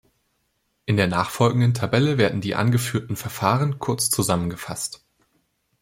In der nachfolgenden Tabelle werden die angeführten Verfahren kurz zusammengefasst.